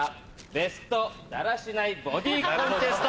「ベストだらしないボディコンテスト」。